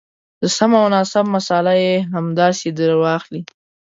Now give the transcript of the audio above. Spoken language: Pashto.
د سم او ناسم مساله یې همداسې درواخلئ.